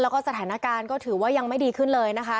แล้วก็สถานการณ์ก็ถือว่ายังไม่ดีขึ้นเลยนะคะ